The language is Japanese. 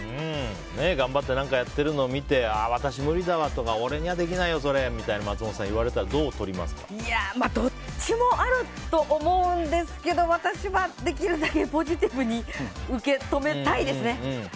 頑張って何かやってるのを見て私、無理だわ俺にはできないよそれみたいなの言われたら、松本さんはどっちもあると思うんですけど私はできるだけポジティブに受け止めたいですね。